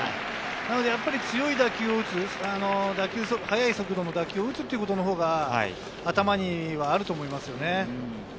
やはり強い打球を打つ、速い速度の打球を打つことが頭にはあると思いますね。